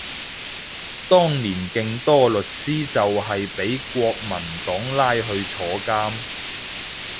當年勁多律師就係畀國民黨拉去坐監